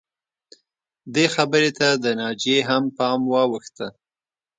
دې خبرې ته د ناجیې هم پام واوښته